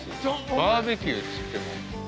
バーベキューっつっても。